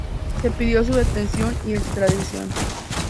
Se pidió su detención y extradición.